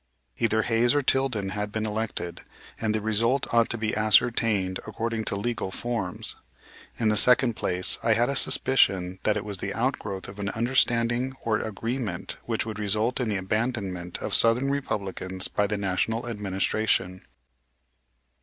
Either Hayes or Tilden had been elected, and the result ought to be ascertained according to legal forms. In the second place, I had a suspicion that it was the outgrowth of an understanding or agreement which would result in the abandonment of Southern Republicans by the National Administration.